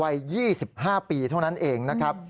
วัย๒๕ปีเท่านั้นเองนะครับ